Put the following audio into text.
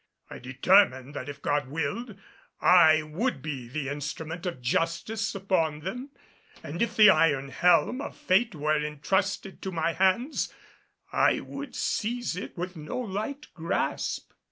I determined that if God willed, I would be the instrument of justice upon them. And if the iron helm of fate were entrusted to my hands, I would seize it with no light grasp.